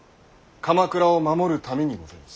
鎌倉を守るためにございます。